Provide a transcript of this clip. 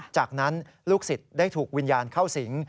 จากนั้นลูกศิษย์ได้ถูกวิญญาณเข้าสิง